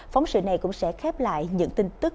phóng sự này cũng sẽ khép lại những tin tức